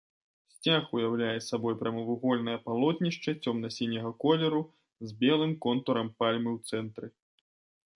Сцяг уяўляе сабой прамавугольнае палотнішча цёмна-сіняга колеру з белым контурам пальмы ў цэнтры.